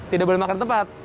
tidak boleh makan tempat